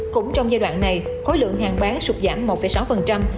cũng trong giai đoạn này khối lượng hàng bán sụt giảm một sáu